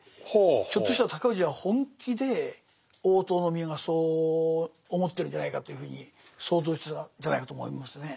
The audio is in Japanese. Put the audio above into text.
ひょっとしたら高氏は本気で大塔宮がそう思ってるんじゃないかというふうに想像してたんじゃないかと思いますね。